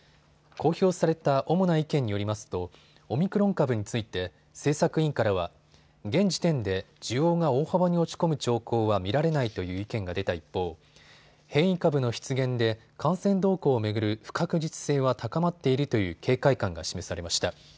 公表された主な意見によりますとオミクロン株について政策委員からは現時点で需要が大幅に落ち込む兆候は見られないという意見が出た一方、変異株の出現で感染動向を巡る不確実性は高まっているという警戒感が示されました。